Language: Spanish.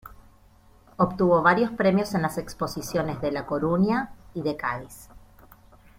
Obtuvo varios premios en las Exposiciones de La Coruña y de Cádiz.